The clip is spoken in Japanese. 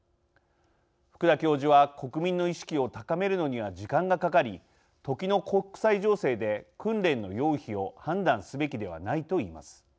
福田教授は「国民の意識を高めるのには時間がかかり時の国際情勢で訓練の要否を判断すべきではない」と言います。